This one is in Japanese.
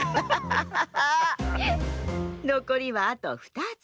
のこりはあと２つ。